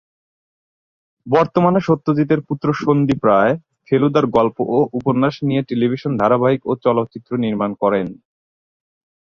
বর্তমানে সত্যজিতের পুত্র সন্দীপ রায় ফেলুদার গল্প ও উপন্যাস নিয়ে টেলিভিশন ধারাবাহিক ও চলচ্চিত্র নির্মাণ করেন।